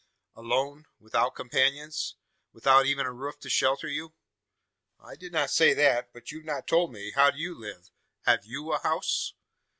"Alone? Without companions? Without even a roof to shelter you?" "I did not say that. But, you've not told me. How do you live? Have you a house?"